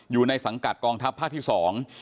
อยู่ในสังกัดกองทัพภาคที่สอง